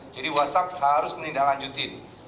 jadi whatsapp harus menindaklanjutin